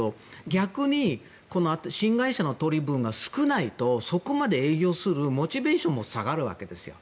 逆に、新会社の取り分が少ないとそこまで営業するモチベーションも下がるわけですよ。